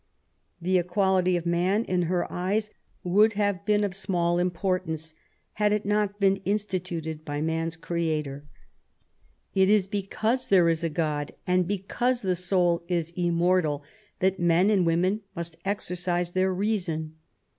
The equality of man, 7 98 MAEY W0LL8T0NE0EAFT GODWIN. in her eyes, would have been of small importance had it not been instituted by man's Creator. It is because there is a God, and because the soul is immortal, that men and women must exercise their reason.